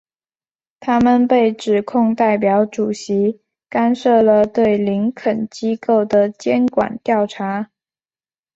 他们被指控代表主席干涉了对林肯机构的监管调查。